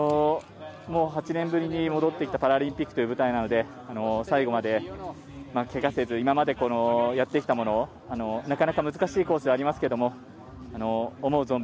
８年ぶりに戻ってきたパラリンピックの舞台なので最後までけがせず今までやってきたものをなかなか難しいコースではありますけど思う